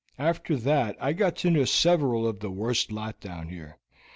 After that I got to know several of the worst lot down there.